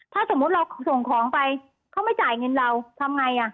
ถ้าสมมุติเราส่งของไปเขาไม่จ่ายเงินเราทำไงอ่ะ